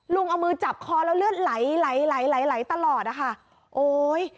ลุงเอามือจับคอแล้วเลือดไหลไหลไหลไหลตลอดอ่ะค่ะโอ้ย